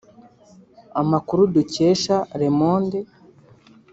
Amakuru dukesha “Le Monde”